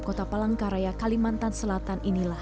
kota palangkaraya kalimantan selatan inilah